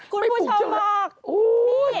คุณผู้ชมพ่อกนี่